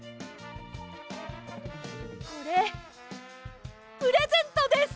これプレゼントです！